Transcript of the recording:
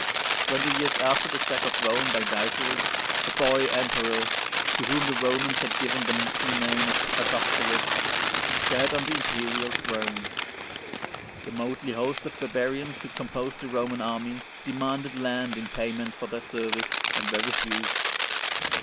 Twenty years after the sack of Rome by Gaiseric, a boy Emperor, to whom the Romans had given the mocking name of '* Augustulus,'' sat on the imperial throne. The motley host of barbarians who composed the Roman Army demanded land in payment for their service, and were refused.